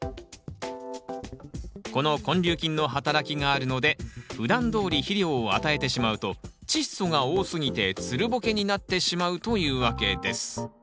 この根粒菌の働きがあるのでふだんどおり肥料を与えてしまうとチッ素が多すぎてつるボケになってしまうというわけです